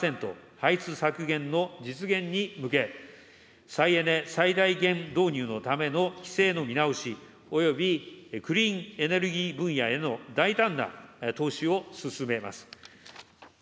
排出削減の実現に向け、再エネ最大限導入のための規制の見直し、およびクリーンエネルギー分野への大胆な投資を進めます。